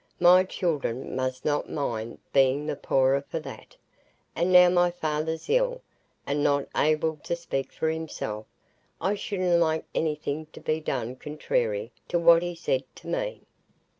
My children must not mind being the poorer for that.' And now my father's ill, and not able to speak for himself, I shouldn't like anything to be done contrary to what he said to me."